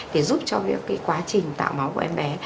để giúp cho việc cái quá trình tạo máu của em bé